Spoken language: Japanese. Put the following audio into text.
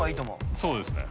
そうですね。